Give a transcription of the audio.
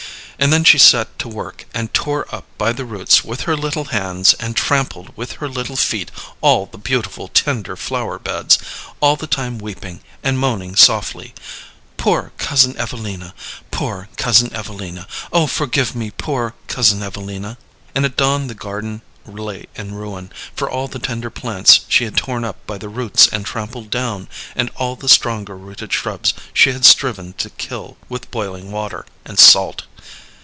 And then she set to work and tore up by the roots with her little hands and trampled with her little feet all the beautiful tender flower beds; all the time weeping, and moaning softly: "Poor Cousin Evelina! poor Cousin Evelina! Oh, forgive me, poor Cousin Evelina!" And at dawn the garden lay in ruin, for all the tender plants she had torn up by the roots and trampled down, and all the stronger rooted shrubs she had striven to kill with boiling water and salt.